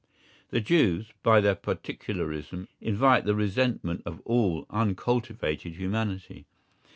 The Jews by their particularism invite the resentment of all uncultivated humanity.